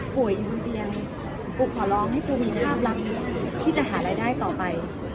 ผ่วยอีกบนเตียงกูขอร้องให้กูมีภาพรับที่จะหารายได้ต่อไป